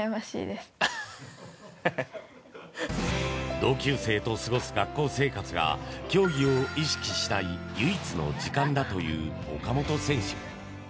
同級生と過ごす学校生活が競技を意識しない唯一の時間だという岡本選手。